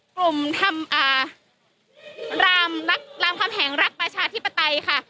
กลุ่มทำอ่ารามรักรามคำแหงรักประชาธิปไตยค่ะ